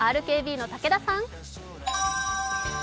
ＲＫＢの武田さん！